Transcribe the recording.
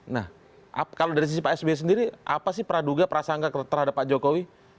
nah kalau dari sisi pak sby sendiri apa sih praduga prasangka terhadap pak jokowi